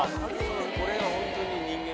これが本当に人間っぽい。